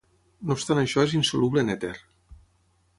No obstant això és insoluble en èter.